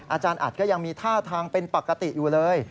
อาจารย์อัดก็ยังมีท่าทางเป็นปกติอยู่เลย